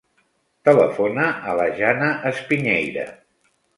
Telefona a la Jana Espiñeira.